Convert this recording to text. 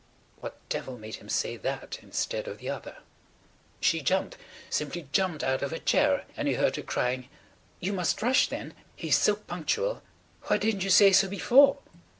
What devil made him say that instead of the other? She jumped–simply jumped out of her chair, and he heard her crying: "You must rush, then. He's so punctual. Why didn't you say so before?"